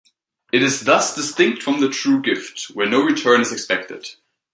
It is thus distinct from the true gift, where no return is expected.